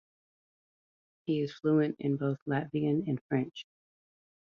He is fluent in both Latvian and French.